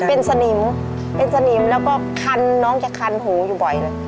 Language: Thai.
เป็นสนิมเป็นสนิมแล้วก็คันน้องจะคันหูอยู่บ่อยเลย